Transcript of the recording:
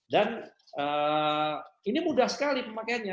dan ini mudah sekali pemakaiannya